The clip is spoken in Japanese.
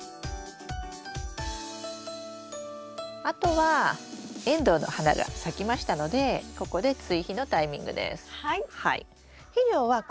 あとはエンドウの花が咲きましたのでここで追肥のタイミングです。